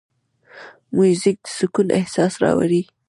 موزیک د سکون احساس راولي.